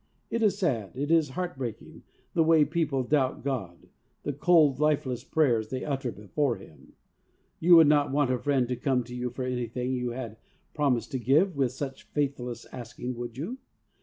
It is sad, it is heart breaking, the way people doubt God, the cold, lifeless prayers they utter before Him ! You would not want a friend to come to you for anything you had promised to give, with such faithless asking, would you